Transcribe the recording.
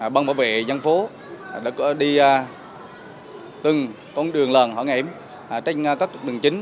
băng bảo vệ dân phố đã đi từng con đường lần hỏi nghệm trên các đường chính